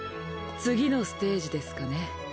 次のステージですかね？